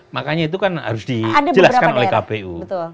makanya itu kan harus dijelaskan oleh kpu